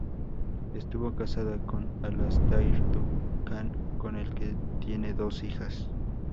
Estuvo casada con Alastair Duncan, con el que tiene dos hijas.